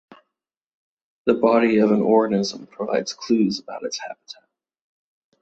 The body of any organism provides clues about its habitat.